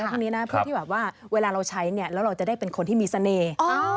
พวกนี่เพราะว่าเวลาเราใช้เราจะได้เป็นคนที่มีเสน่ห์